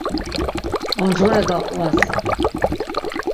Oncğore gaqvas!